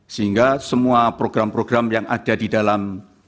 sehingga semua program program yang ada di dalam